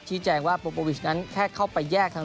แจ้งว่าโปวิชนั้นแค่เข้าไปแยกทาง